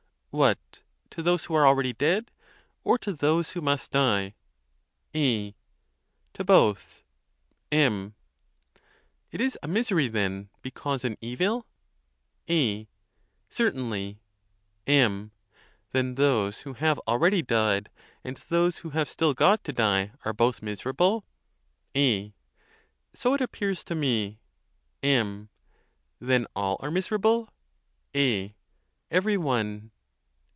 What, to those who are already dead? or to those who must die? A, To both. M. It is a misery, then, because an evil? A. Certainly. M. Then those who have already died, and those who have still got to die, are both miserable ? A. So it appears to me. M. Then all are miserable ? A. Every one.